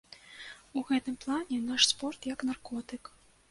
У гэтым плане наш спорт як наркотык.